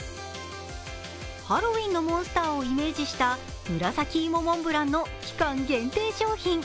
ハロウィーンのモンスターをイメージした期間限定商品。